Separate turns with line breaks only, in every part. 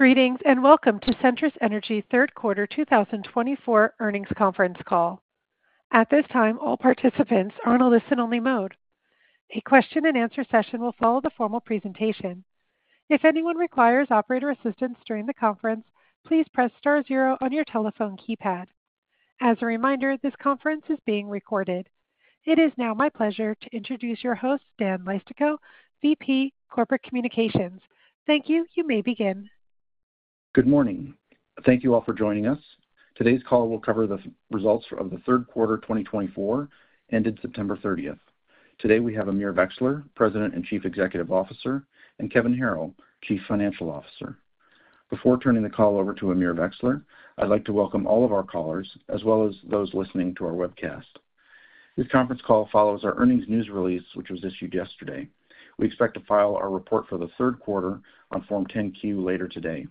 Greetings and welcome to Centrus Energy Third Quarter 2024 Earnings Conference Call. At this time, all participants are on a listen-only mode. A question-and-answer session will follow the formal presentation. If anyone requires operator assistance during the conference, please press star zero on your telephone keypad. As a reminder, this conference is being recorded. It is now my pleasure to introduce your host, Dan Leistikow, VP, Corporate Communications. Thank you. You may begin.
Good morning. Thank you all for joining us. Today's call will cover the results of the third quarter 2024, ended September 30th. Today we have Amir Vexler, President and Chief Executive Officer, and Kevin Harrill, Chief Financial Officer. Before turning the call over to Amir Vexler, I'd like to welcome all of our callers, as well as those listening to our webcast. This conference call follows our earnings news release, which was issued yesterday. We expect to file our report for the third quarter on Form 10-Q later today.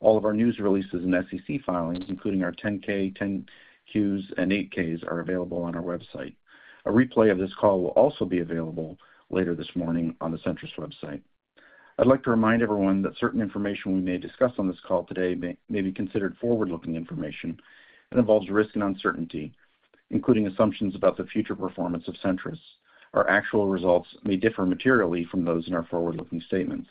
All of our news releases and SEC filings, including our 10-K, 10-Qs, and 8-Ks, are available on our website. A replay of this call will also be available later this morning on the Centrus website. I'd like to remind everyone that certain information we may discuss on this call today may be considered forward-looking information and involves risk and uncertainty, including assumptions about the future performance of Centrus. Our actual results may differ materially from those in our forward-looking statements.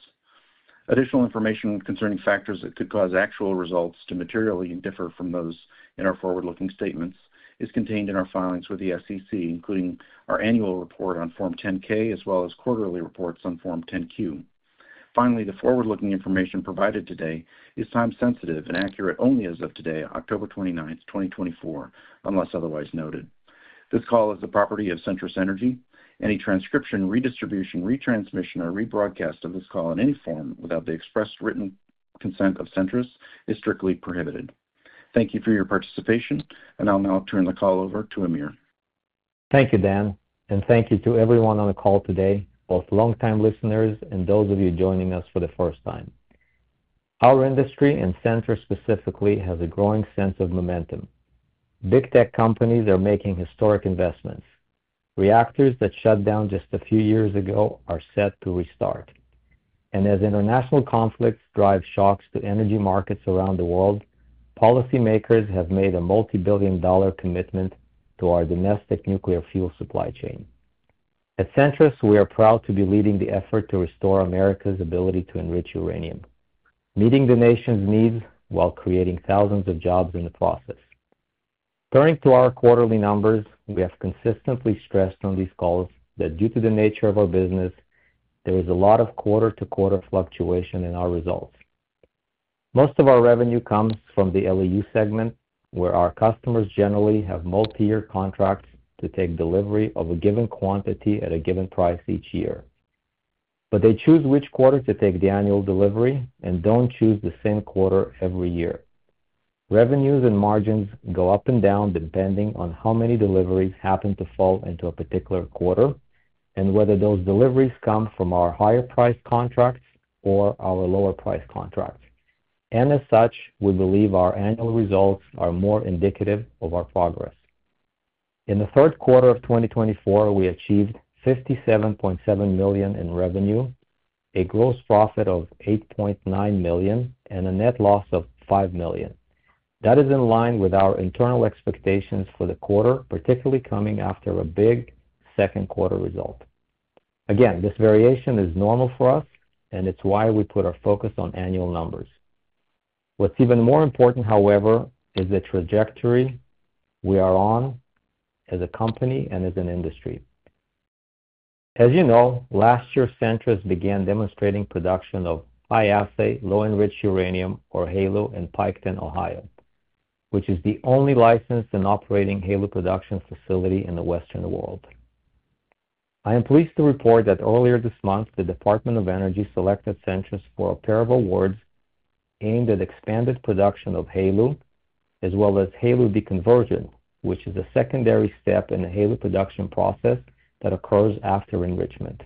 Additional information concerning factors that could cause actual results to materially differ from those in our forward-looking statements is contained in our filings with the SEC, including our annual report on Form 10-K, as well as quarterly reports on Form 10-Q. Finally, the forward-looking information provided today is time-sensitive and accurate only as of today, October 29th, 2024, unless otherwise noted. This call is the property of Centrus Energy. Any transcription, redistribution, retransmission, or rebroadcast of this call in any form without the expressed written consent of Centrus is strictly prohibited. Thank you for your participation, and I'll now turn the call over to Amir.
Thank you, Dan, and thank you to everyone on the call today, both longtime listeners and those of you joining us for the first time. Our industry, and Centrus specifically, has a growing sense of momentum. Big Tech companies are making historic investments. Reactors that shut down just a few years ago are set to restart. As international conflicts drive shocks to energy markets around the world, policymakers have made a multi-billion-dollar commitment to our domestic nuclear fuel supply chain. At Centrus, we are proud to be leading the effort to restore America's ability to enrich uranium, meeting the nation's needs while creating thousands of jobs in the process. Turning to our quarterly numbers, we have consistently stressed on these calls that due to the nature of our business, there is a lot of quarter-to-quarter fluctuation in our results. Most of our revenue comes from the LEU segment, where our customers generally have multi-year contracts to take delivery of a given quantity at a given price each year. They choose which quarter to take the annual delivery and don't choose the same quarter every year. Revenues and margins go up and down depending on how many deliveries happen to fall into a particular quarter and whether those deliveries come from our higher-priced contracts or our lower-priced contracts. And as such, we believe our annual results are more indicative of our progress. In the third quarter of 2024, we achieved $57.7 million in revenue, a gross profit of $8.9 million, and a net loss of $5 million. That is in line with our internal expectations for the quarter, particularly coming after a big second quarter result. Again, this variation is normal for us, and it's why we put our focus on annual numbers. What's even more important, however, is the trajectory we are on as a company and as an industry. As you know, last year, Centrus began demonstrating production of High-Assay Low-Enriched Uranium, or HALEU, in Piketon, Ohio, which is the only licensed and operating HALEU production facility in the Western world. I am pleased to report that earlier this month, the Department of Energy selected Centrus for a pair of awards aimed at expanded production of HALEU, as well as HALEU deconversion, which is a secondary step in the HALEU production process that occurs after enrichment.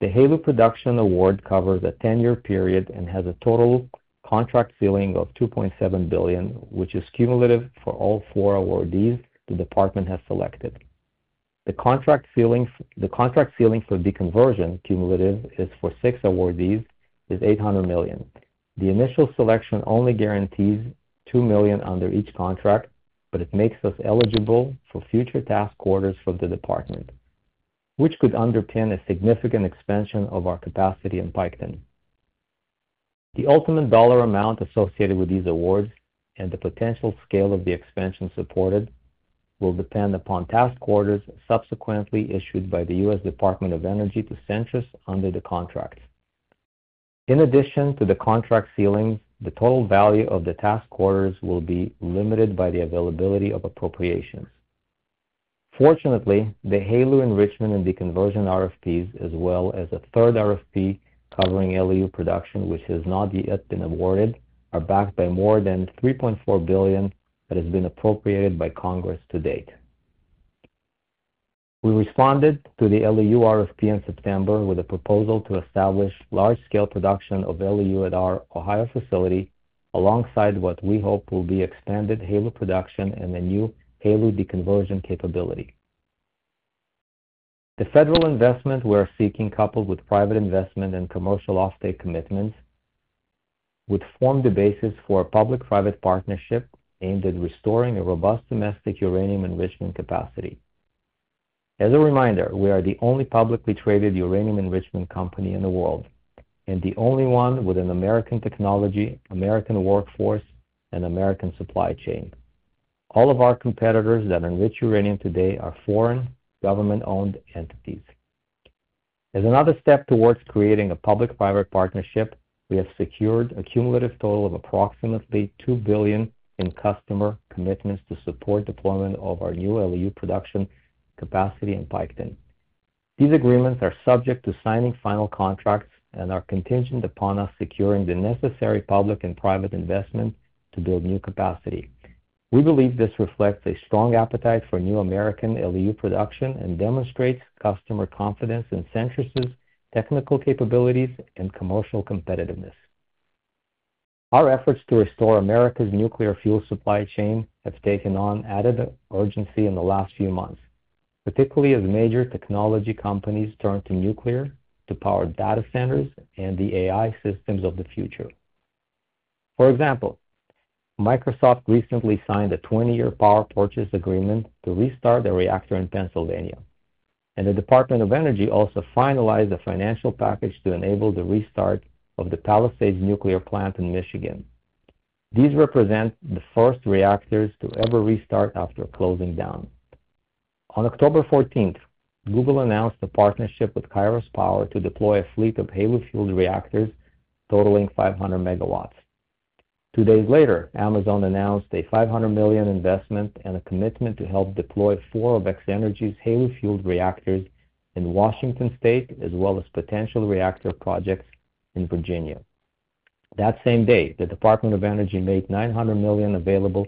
The HALEU production award covers a 10-year period and has a total contract ceiling of $2.7 billion, which is cumulative for all four awardees the department has selected. The contract ceiling for deconversion, cumulative, is for six awardees $800 million. The initial selection only guarantees $2 million under each contract, but it makes us eligible for future task orders from the department, which could underpin a significant expansion of our capacity in Piketon. The ultimate dollar amount associated with these awards and the potential scale of the expansion supported will depend upon task orders subsequently issued by the U.S. Department of Energy to Centrus under the contract. In addition to the contract ceilings, the total value of the task orders will be limited by the availability of appropriations. Fortunately, the HALEU enrichment and deconversion RFPs, as well as a third RFP covering LEU production, which has not yet been awarded, are backed by more than $3.4 billion that has been appropriated by Congress to date. We responded to the LEU RFP in September with a proposal to establish large-scale production of LEU at our Ohio facility alongside what we hope will be expanded HALEU production and a new HALEU deconversion capability. The federal investment we are seeking, coupled with private investment and commercial offtake commitments, would form the basis for a public-private partnership aimed at restoring a robust domestic uranium enrichment capacity. As a reminder, we are the only publicly traded uranium enrichment company in the world and the only one with an American technology, American workforce, and American supply chain. All of our competitors that enrich uranium today are foreign government-owned entities. As another step towards creating a public-private partnership, we have secured a cumulative total of approximately $2 billion in customer commitments to support deployment of our new LEU production capacity in Piketon. These agreements are subject to signing final contracts and are contingent upon us securing the necessary public and private investment to build new capacity. We believe this reflects a strong appetite for new American LEU production and demonstrates customer confidence in Centrus's technical capabilities and commercial competitiveness. Our efforts to restore America's nuclear fuel supply chain have taken on added urgency in the last few months, particularly as major technology companies turn to nuclear to power data centers and the AI systems of the future. For example, Microsoft recently signed a 20-year power purchase agreement to restart a reactor in Pennsylvania, and the Department of Energy also finalized a financial package to enable the restart of the Palisades Nuclear Plant in Michigan. These represent the first reactors to ever restart after closing down. On October 14th, Google announced a partnership with Kairos Power to deploy a fleet of HALEU-fueled reactors totaling 500 MW. Two days later, Amazon announced a $500 million investment and a commitment to help deploy four of X-energy's HALEU-fueled reactors in Washington State, as well as potential reactor projects in Virginia. That same day, the Department of Energy made $900 million available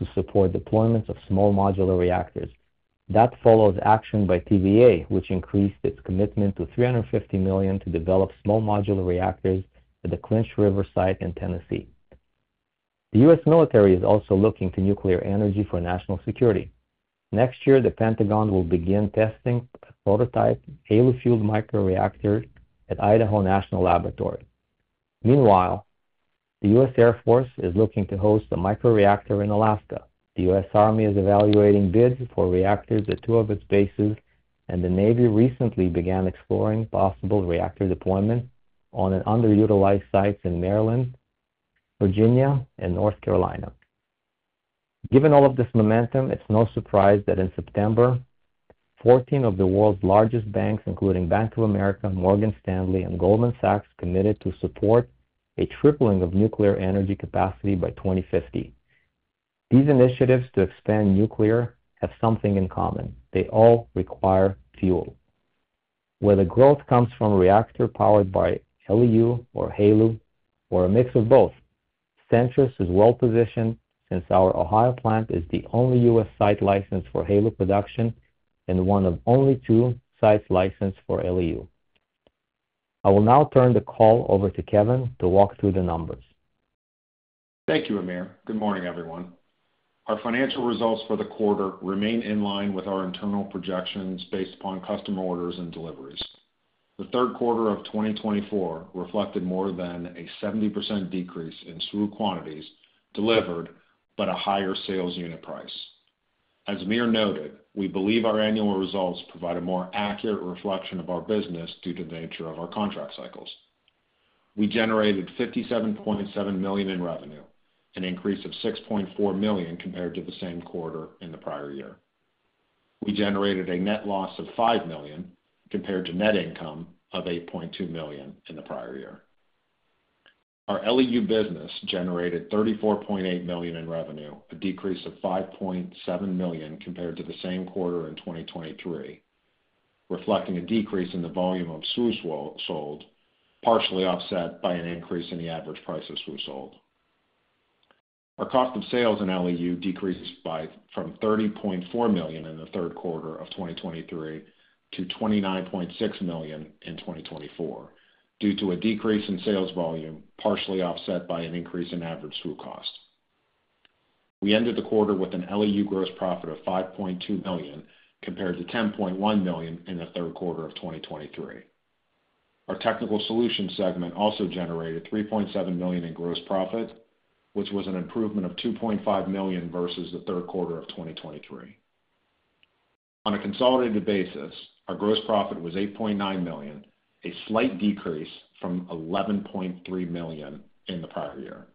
to support deployments of small modular reactors. That follows action by TVA, which increased its commitment to $350 million to develop small modular reactors at the Clinch River site in Tennessee. The U.S. military is also looking to nuclear energy for national security. Next year, the Pentagon will begin testing a prototype HALEU-fueled microreactor at Idaho National Laboratory. Meanwhile, the U.S. Air Force is looking to host a microreactor in Alaska. The U.S. Army is evaluating bids for reactors at two of its bases, and the U.S. Navy recently began exploring possible reactor deployment on underutilized sites in Maryland, Virginia, and North Carolina. Given all of this momentum, it's no surprise that in September, 14 of the world's largest banks, including Bank of America, Morgan Stanley, and Goldman Sachs, committed to support a tripling of nuclear energy capacity by 2050. These initiatives to expand nuclear have something in common. They all require fuel. Whether growth comes from a reactor powered by LEU or HALEU, or a mix of both, Centrus is well-positioned since our Ohio plant is the only U.S. site licensed for HALEU production and one of only two sites licensed for LEU. I will now turn the call over to Kevin to walk through the numbers.
Thank you, Amir. Good morning, everyone. Our financial results for the quarter remain in line with our internal projections based upon customer orders and deliveries. The third quarter of 2024 reflected more than a 70% decrease in throughput quantities delivered, but a higher sales unit price. As Amir noted, we believe our annual results provide a more accurate reflection of our business due to the nature of our contract cycles. We generated $57.7 million in revenue, an increase of $6.4 million compared to the same quarter in the prior year. We generated a net loss of $5 million compared to net income of $8.2 million in the prior year. Our LEU business generated $34.8 million in revenue, a decrease of $5.7 million compared to the same quarter in 2023, reflecting a decrease in the volume of SWUs sold, partially offset by an increase in the average price of SWUs sold. Our cost of sales in LEU decreased from $30.4 million in the third quarter of 2023 to $29.6 million in 2024 due to a decrease in sales volume, partially offset by an increase in average SWU cost. We ended the quarter with an LEU gross profit of $5.2 million compared to $10.1 million in the third quarter of 2023. Our technical solutions segment also generated $3.7 million in gross profit, which was an improvement of $2.5 million versus the third quarter of 2023. On a consolidated basis, our gross profit was $8.9 million, a slight decrease from $11.3 million in the prior year.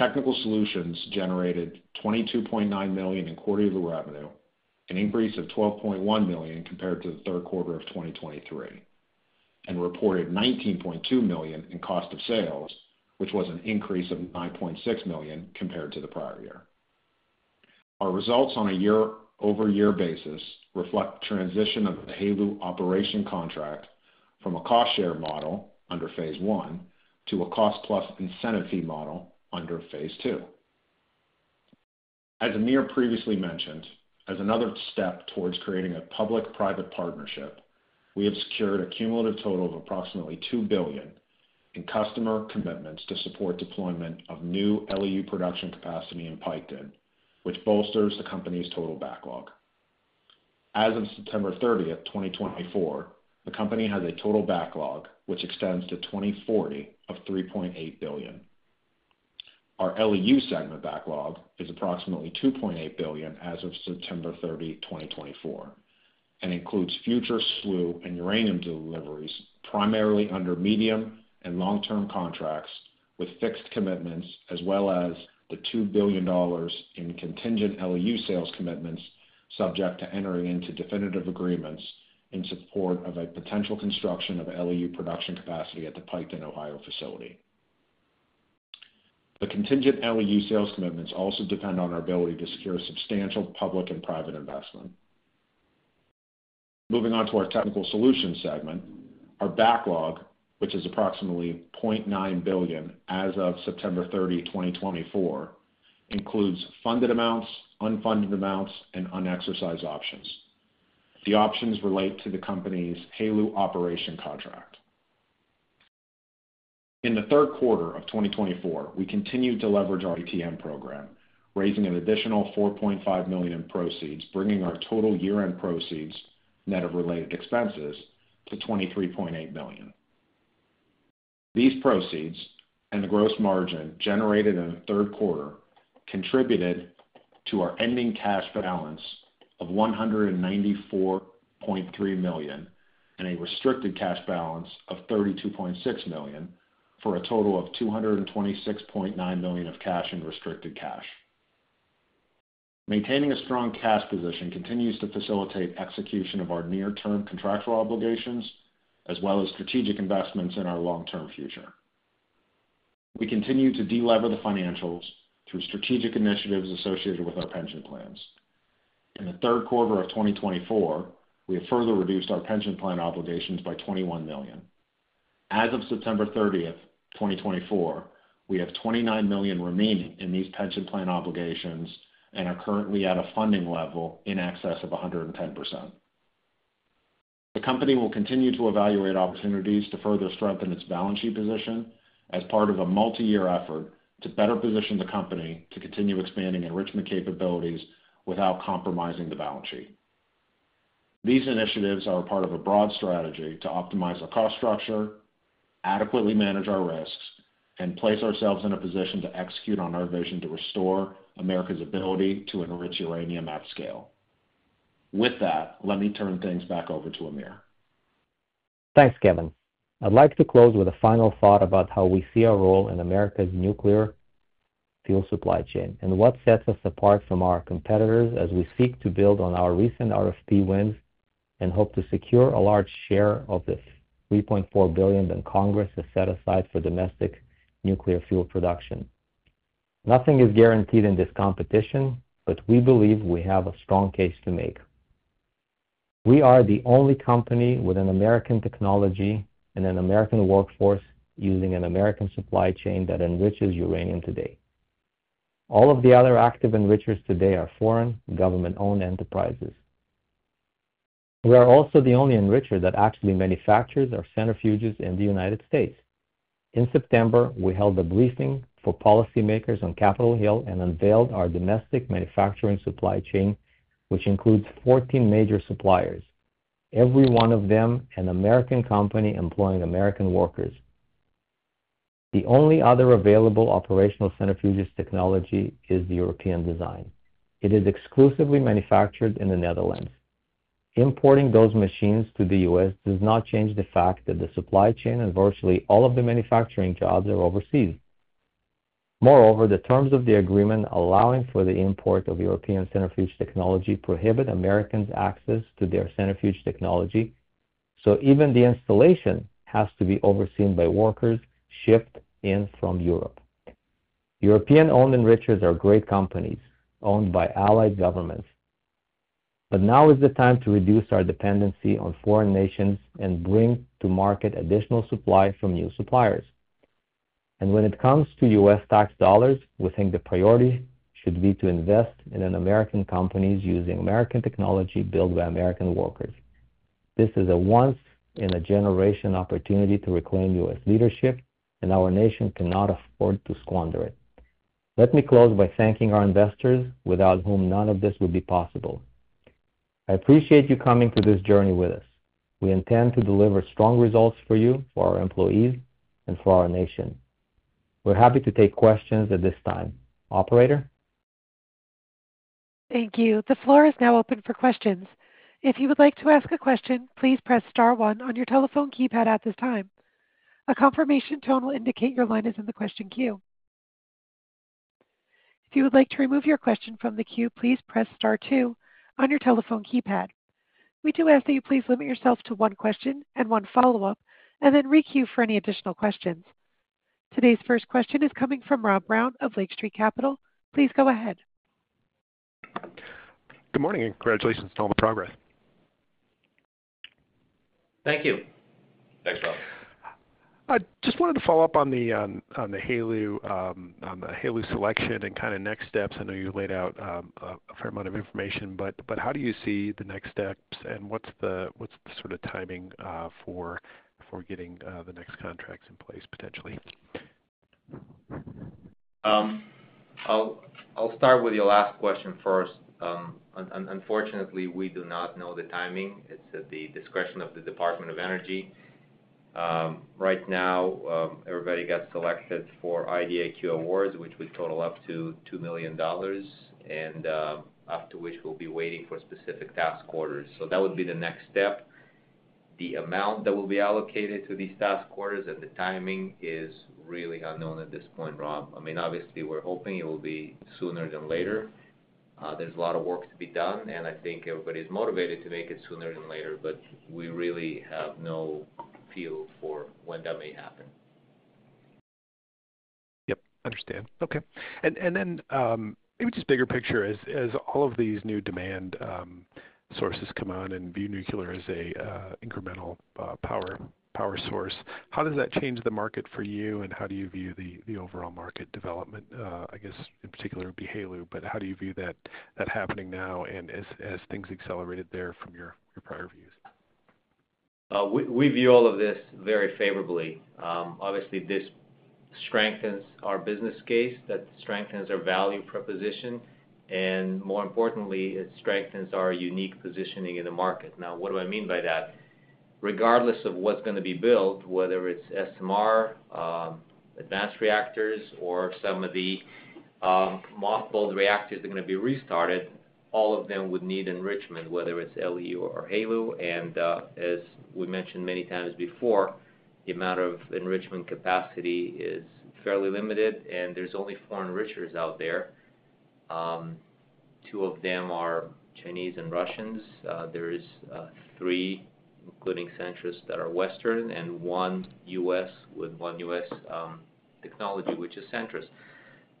Our technical solutions generated $22.9 million in quarterly revenue, an increase of $12.1 million compared to the third quarter of 2023, and reported $19.2 million in cost of sales, which was an increase of $9.6 million compared to the prior year. Our results on a year-over-year basis reflect the transition of the HALEU operation contract from a cost-share model under Phase 1 to a cost-plus incentive fee model under Phase 2. As Amir previously mentioned, as another step towards creating a public-private partnership, we have secured a cumulative total of approximately $2 billion in customer commitments to support deployment of new LEU production capacity in Piketon, which bolsters the company's total backlog. As of September 30th, 2024, the company has a total backlog which extends to 2040 of $3.8 billion. Our LEU segment backlog is approximately $2.8 billion as of September 30, 2024, and includes future SWU and uranium deliveries primarily under medium and long-term contracts with fixed commitments, as well as the $2 billion in contingent LEU sales commitments subject to entering into definitive agreements in support of a potential construction of LEU production capacity at the Piketon, Ohio facility. The contingent LEU sales commitments also depend on our ability to secure substantial public and private investment. Moving on to our technical solutions segment, our backlog, which is approximately $0.9 billion as of September 30, 2024, includes funded amounts, unfunded amounts, and unexercised options. The options relate to the company's HALEU operations contract. In the third quarter of 2024, we continued to leverage our ATM program, raising an additional $4.5 million in proceeds, bringing our total year-to-date proceeds, net of related expenses, to $23.8 million. These proceeds and the gross margin generated in the third quarter contributed to our ending cash balance of $194.3 million and a restricted cash balance of $32.6 million for a total of $226.9 million of cash and restricted cash. Maintaining a strong cash position continues to facilitate execution of our near-term contractual obligations, as well as strategic investments in our long-term future. We continue to delever the financials through strategic initiatives associated with our pension plans. In the third quarter of 2024, we have further reduced our pension plan obligations by $21 million. As of September 30th, 2024, we have $29 million remaining in these pension plan obligations and are currently at a funding level in excess of 110%. The company will continue to evaluate opportunities to further strengthen its balance sheet position as part of a multi-year effort to better position the company to continue expanding enrichment capabilities without compromising the balance sheet. These initiatives are part of a broad strategy to optimize our cost structure, adequately manage our risks, and place ourselves in a position to execute on our vision to restore America's ability to enrich uranium at scale. With that, let me turn things back over to Amir.
Thanks, Kevin. I'd like to close with a final thought about how we see our role in America's nuclear fuel supply chain and what sets us apart from our competitors as we seek to build on our recent RFP wins and hope to secure a large share of the $3.4 billion that Congress has set aside for domestic nuclear fuel production. Nothing is guaranteed in this competition, but we believe we have a strong case to make. We are the only company with an American technology and an American workforce using an American supply chain that enriches uranium today. All of the other active enrichers today are foreign government-owned enterprises. We are also the only enricher that actually manufactures our centrifuges in the United States. In September, we held a briefing for policymakers on Capitol Hill and unveiled our domestic manufacturing supply chain, which includes 14 major suppliers, every one of them an American company employing American workers. The only other available operational centrifuges technology is the European design. It is exclusively manufactured in the Netherlands. Importing those machines to the U.S. does not change the fact that the supply chain and virtually all of the manufacturing jobs are overseas. Moreover, the terms of the agreement allowing for the import of European centrifuge technology prohibit Americans' access to their centrifuge technology, so even the installation has to be overseen by workers shipped in from Europe. European-owned enrichers are great companies owned by allied governments. But now is the time to reduce our dependency on foreign nations and bring to market additional supply from new suppliers. When it comes to U.S. tax dollars, we think the priority should be to invest in American companies using American technology built by American workers. This is a once-in-a-generation opportunity to reclaim U.S. leadership, and our nation cannot afford to squander it. Let me close by thanking our investors, without whom none of this would be possible. I appreciate you coming to this journey with us. We intend to deliver strong results for you, for our employees, and for our nation. We're happy to take questions at this time. Operator?
Thank you. The floor is now open for questions. If you would like to ask a question, please press star one on your telephone keypad at this time. A confirmation tone will indicate your line is in the question queue. If you would like to remove your question from the queue, please press star two on your telephone keypad. We do ask that you please limit yourself to one question and one follow-up, and then re-queue for any additional questions. Today's first question is coming from Rob Brown of Lake Street Capital. Please go ahead.
Good morning and congratulations on all the progress.
Thank you.
Thanks, Rob.
I just wanted to follow up on the HALEU selection and kind of next steps. I know you laid out a fair amount of information, but how do you see the next steps and what's the sort of timing for getting the next contracts in place, potentially?
I'll start with your last question first. Unfortunately, we do not know the timing. It's at the discretion of the Department of Energy. Right now, everybody got selected for IDIQ awards, which would total up to $2 million, and after which we'll be waiting for specific task orders. So that would be the next step. The amount that will be allocated to these task orders and the timing is really unknown at this point, Rob. I mean, obviously, we're hoping it will be sooner than later. There's a lot of work to be done, and I think everybody's motivated to make it sooner than later, but we really have no feel for when that may happen.
Yep. Understand. Okay. And then maybe just bigger picture, as all of these new demand sources come on and view nuclear as an incremental power source, how does that change the market for you, and how do you view the overall market development? I guess, in particular, it would be HALEU, but how do you view that happening now and as things accelerated there from your prior views?
We view all of this very favorably. Obviously, this strengthens our business case. That strengthens our value proposition, and more importantly, it strengthens our unique positioning in the market. Now, what do I mean by that? Regardless of what's going to be built, whether it's SMR, advanced reactors, or some of the mothballed reactors that are going to be restarted, all of them would need enrichment, whether it's LEU or HALEU. And as we mentioned many times before, the amount of enrichment capacity is fairly limited, and there's only four enrichers out there. Two of them are Chinese and Russians. There are three, including Centrus, that are Western and one U.S. with one U.S. technology, which is Centrus.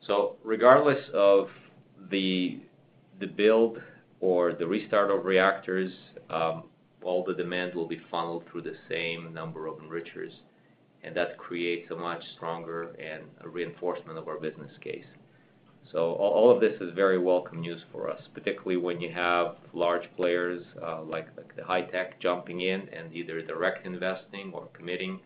So regardless of the build or the restart of reactors, all the demand will be funneled through the same number of enrichers, and that creates a much stronger and a reinforcement of our business case. So all of this is very welcome news for us, particularly when you have large players like the high tech jumping in and either direct investing or committing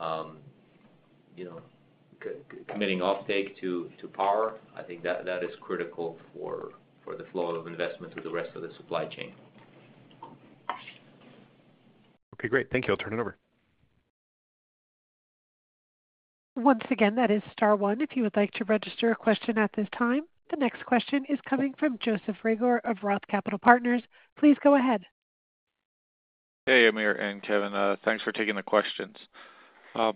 offtake to power. I think that is critical for the flow of investment through the rest of the supply chain.
Okay. Great. Thank you. I'll turn it over.
Once again, that is star one. If you would like to register a question at this time, the next question is coming from Joseph Reagor of Roth Capital Partners. Please go ahead.
Hey, Amir and Kevin. Thanks for taking the questions. I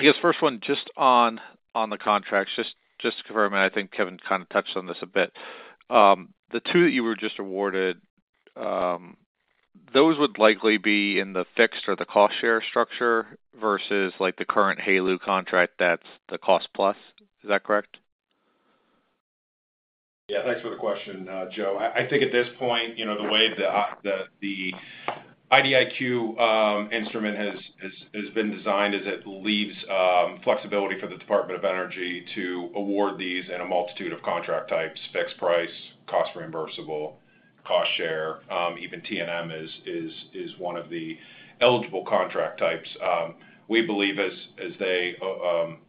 guess first one, just on the contracts, just to confirm, and I think Kevin kind of touched on this a bit. The two that you were just awarded, those would likely be in the fixed or the cost-share structure versus the current HALEU contract that's the cost-plus. Is that correct?
Yeah. Thanks for the question, Joe. I think at this point, the way that the IDIQ instrument has been designed is it leaves flexibility for the Department of Energy to award these in a multitude of contract types: fixed price, cost-reimbursable, cost-share. Even T&M is one of the eligible contract types. We believe as they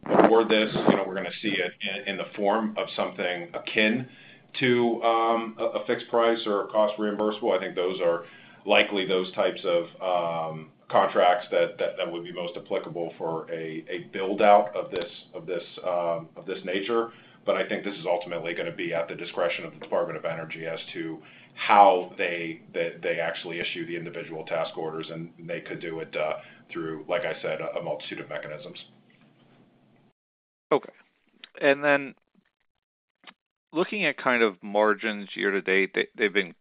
award this, we're going to see it in the form of something akin to a fixed price or a cost-reimbursable. I think those are likely those types of contracts that would be most applicable for a build-out of this nature. I think this is ultimately going to be at the discretion of the Department of Energy as to how they actually issue the individual task orders, and they could do it through, like I said, a multitude of mechanisms.
Okay. And then looking at kind of margins year to date, they've been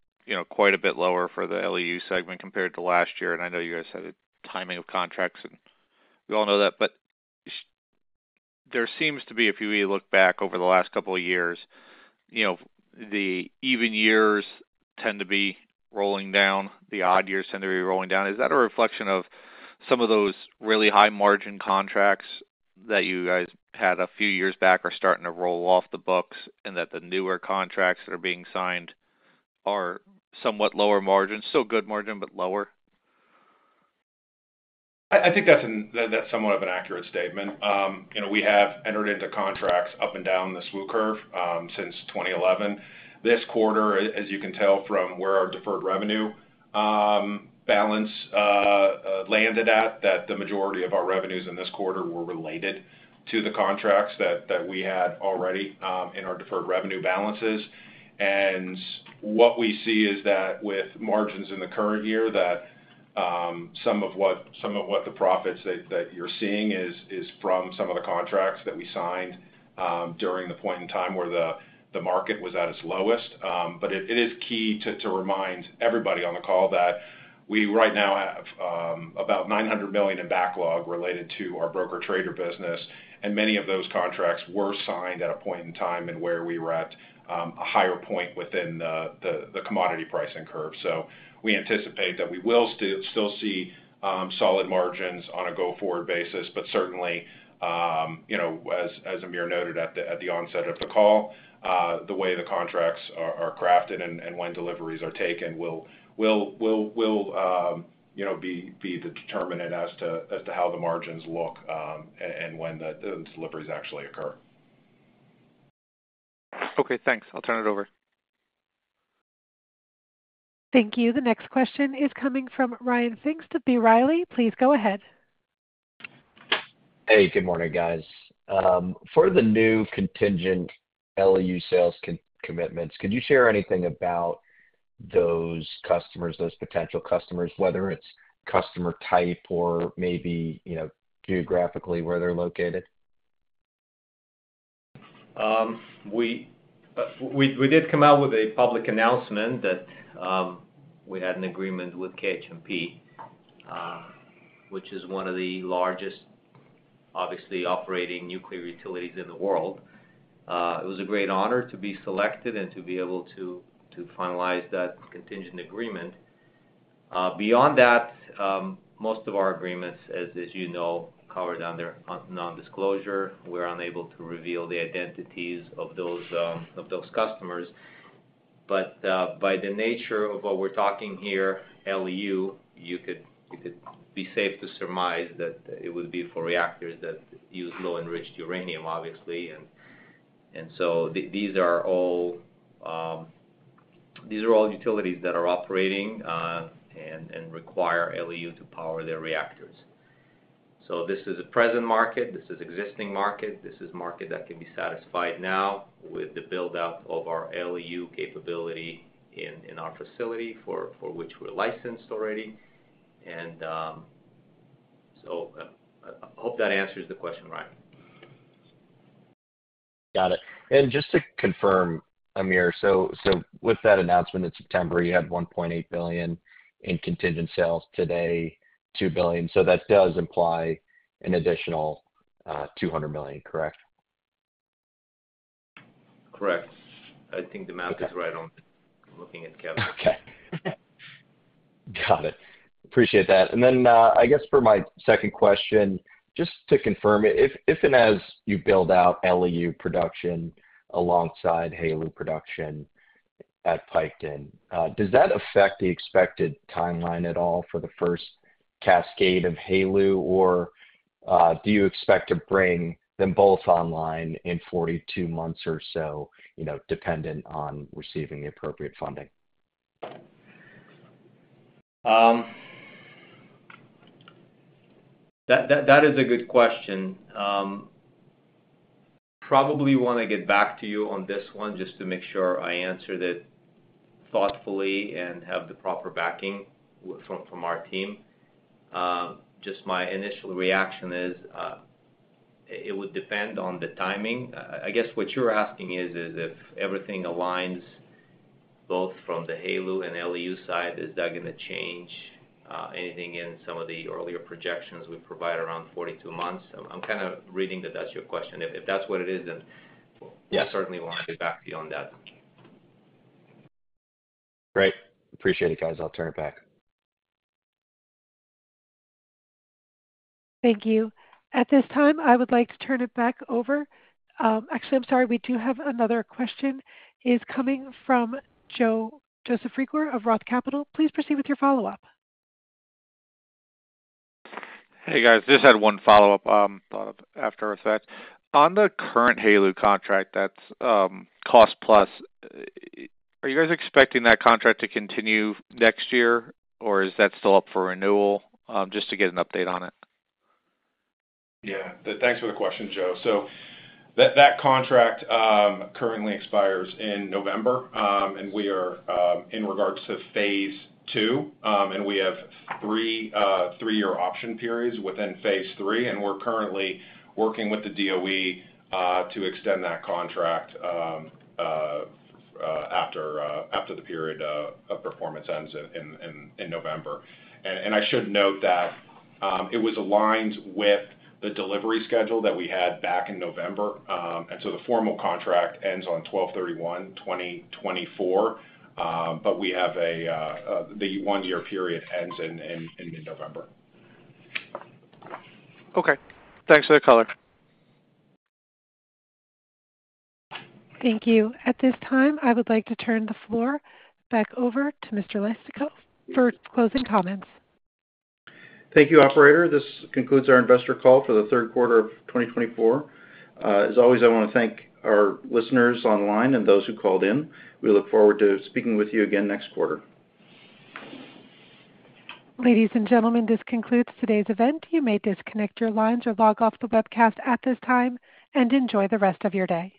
quite a bit lower for the LEU segment compared to last year. And I know you guys had a timing of contracts, and we all know that. But there seems to be, if you look back over the last couple of years, the even years tend to be rolling down. The odd years tend to be rolling down. Is that a reflection of some of those really high-margin contracts that you guys had a few years back are starting to roll off the books and that the newer contracts that are being signed are somewhat lower margins, still good margin, but lower?
I think that's somewhat of an accurate statement. We have entered into contracts up and down the SWU curve since 2011. This quarter, as you can tell from where our deferred revenue balance landed at, that the majority of our revenues in this quarter were related to the contracts that we had already in our deferred revenue balances. And what we see is that with margins in the current year, that some of what the profits that you're seeing is from some of the contracts that we signed during the point in time where the market was at its lowest. But it is key to remind everybody on the call that we right now have about $900 million in backlog related to our broker-trader business, and many of those contracts were signed at a point in time where we were at a higher point within the commodity pricing curve. So we anticipate that we will still see solid margins on a go-forward basis. But certainly, as Amir noted at the onset of the call, the way the contracts are crafted and when deliveries are taken will be the determinant as to how the margins look and when the deliveries actually occur.
Okay. Thanks. I'll turn it over.
Thank you. The next question is coming from Ryan Pfingst from B. Riley. Please go ahead.
Hey. Good morning, guys. For the new contingent LEU sales commitments, could you share anything about those customers, those potential customers, whether it's customer type or maybe geographically where they're located?
We did come out with a public announcement that we had an agreement with KHNP, which is one of the largest, obviously, operating nuclear utilities in the world. It was a great honor to be selected and to be able to finalize that contingent agreement. Beyond that, most of our agreements, as you know, covered under non-disclosure. We're unable to reveal the identities of those customers. But by the nature of what we're talking here, LEU, you could be safe to surmise that it would be for reactors that use low-enriched uranium, obviously. And so these are all utilities that are operating and require LEU to power their reactors. So this is a present market. This is an existing market. This is a market that can be satisfied now with the build-out of our LEU capability in our facility for which we're licensed already, and so I hope that answers the question, Ryan.
Got it. And just to confirm, Amir, so with that announcement in September, you had $1.8 billion in contingent sales today, $2 billion. So that does imply an additional $200 million, correct?
Correct. I think the math is right on looking at Kevin.
Okay. Got it. Appreciate that. And then I guess for my second question, just to confirm, if and as you build out LEU production alongside HALEU production at Piketon, does that affect the expected timeline at all for the first cascade of HALEU, or do you expect to bring them both online in 42 months or so, dependent on receiving the appropriate funding?
That is a good question. Probably want to get back to you on this one just to make sure I answered it thoughtfully and have the proper backing from our team. Just my initial reaction is it would depend on the timing. I guess what you're asking is if everything aligns both from the HALEU and LEU side, is that going to change anything in some of the earlier projections we provide around 42 months? I'm kind of reading that that's your question. If that's what it is, then I certainly want to get back to you on that.
Great. Appreciate it, guys. I'll turn it back.
Thank you. At this time, I would like to turn it back over. Actually, I'm sorry, we do have another question coming from Joseph Reagor of Roth Capital. Please proceed with your follow-up.
Hey, guys. Just had one follow-up thought after I said. On the current HALEU contract that's cost-plus, are you guys expecting that contract to continue next year, or is that still up for renewal? Just to get an update on it.
Yeah. Thanks for the question, Joe. So that contract currently expires in November, and we are in regards to Phase 2. And we have three-year option periods within Phase 3, and we're currently working with the DOE to extend that contract after the period of performance ends in November. And I should note that it was aligned with the delivery schedule that we had back in November. And so the formal contract ends on 12/31/2024, but we have a one-year period ends in mid-November.
Okay. Thanks for the color.
Thank you. At this time, I would like to turn the floor back over to Mr. Leistikow for closing comments.
Thank you, operator. This concludes our investor call for the third quarter of 2024. As always, I want to thank our listeners online and those who called in. We look forward to speaking with you again next quarter.
Ladies and gentlemen, this concludes today's event. You may disconnect your lines or log off the webcast at this time and enjoy the rest of your day.